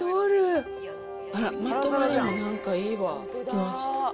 あら、まとまりもなんかいいわ。